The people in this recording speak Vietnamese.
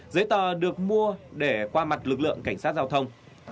giấy tờ được mua để qua mặt lực lượng cảnh sát giao thông